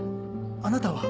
あなたは？